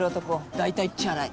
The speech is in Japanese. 大体チャラい。